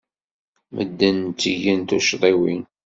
Medden ttgen tuccḍiwin.